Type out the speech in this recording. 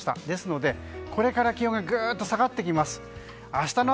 ですので、これから気温がぐっと下がってきます。